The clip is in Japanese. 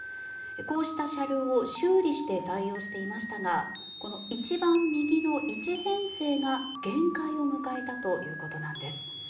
こうした車両を修理して対応していましたがこの一番右の１編成が限界を迎えたということなんです。